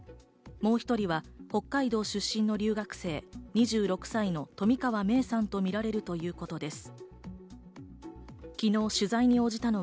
もう１人は北海道出身の留学生、２６歳の冨川芽生さんとみられるということです。